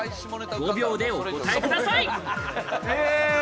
５秒でお答えください。